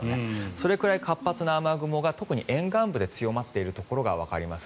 それくらい活発な雨雲が特に沿岸部で強まっているところがわかります